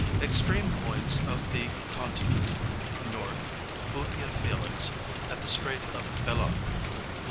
Extreme points of the continent north, Boothia Felix, at the Strait of Bellot, lat.